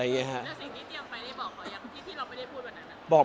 แล้วสิ่งที่เตรียมไปได้บอกเขายังที่เราไม่ได้พูดวันนั้น